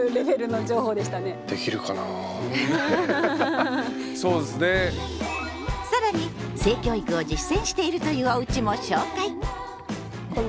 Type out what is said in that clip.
更に性教育を実践しているというおうちも紹介！